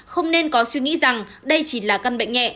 không nên có suy nghĩ rằng đây chỉ là căn bệnh nhẹ